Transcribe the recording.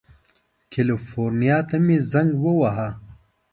کلیفورنیا ته مې زنګ ووهه.